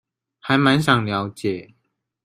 還滿想了解